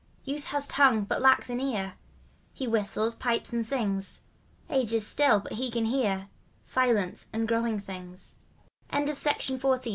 Youth has tongue, but lacks an ear — He whistles, pipes and sings. Age is still, but he can hear Silence and growing things. Elizabeth Hart Pennell